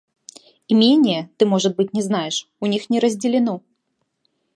Имение, ты, может быть, не знаешь, у них не разделено.